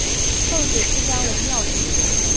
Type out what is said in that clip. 后主一般无庙谥。